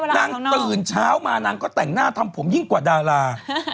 ตื่นเช้ามานางก็แต่งหน้าทำผมยิ่งกว่าดารา